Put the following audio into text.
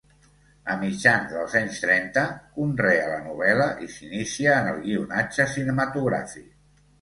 A mitjans dels anys trenta conrea la novel·la i s’inicia en el guionatge cinematogràfic.